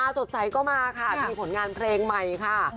สดใสก็มาค่ะมีผลงานเพลงใหม่ค่ะ